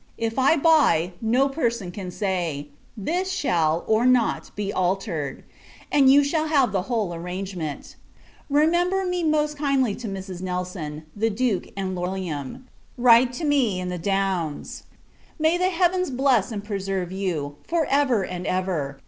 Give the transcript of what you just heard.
If I buy, no person can say this shall, or not, be altered; and, you shall have the whole arrangement. Remember me most kindly to Mrs. Nelson, the Duke, and Lord William. Write to me in the Downs. May the Heavens bless and preserve you, for ever and ever!